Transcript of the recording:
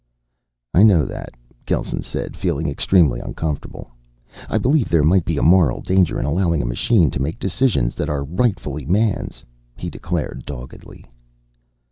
"I know that," Gelsen said, feeling extremely uncomfortable. "I believe there might be a moral danger in allowing a machine to make decisions that are rightfully Man's," he declared doggedly.